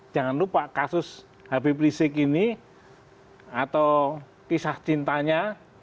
jangan lupa kasus habib rizik ini atau kisah cintanya